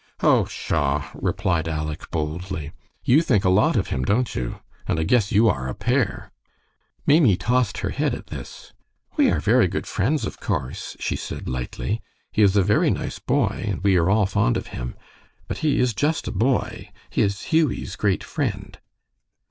"Oh, pshaw!" replied Aleck, boldly. "You think a lot of him, don't you? And I guess you are a pair." Maimie tossed her head at this. "We are very good friends, of course," she said, lightly. "He is a very nice boy, and we are all fond of him; but he is just a boy; he is Hughie's great friend."